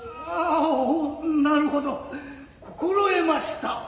アアなるほど心得ました。